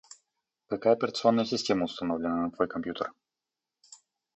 Какая операционная система установлена на твой компьютер?